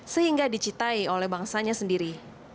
sehingga dicitai oleh bangsanya sendiri